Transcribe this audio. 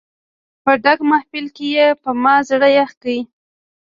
په ډک محفل کې یې په ما زړه یخ کړ.